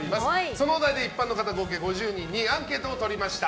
そのお題で一般の方合計５０人にアンケートをとりました。